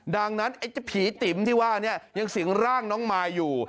ดังนั้นไอ้ผีติ๋มที่ว่ายังสิงร่างน้องมายอยู่